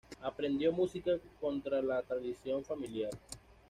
Aprendió música contra la tradición familiar.